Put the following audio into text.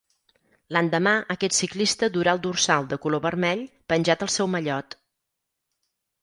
L'endemà aquest ciclista durà el dorsal de color vermell penjat al seu mallot.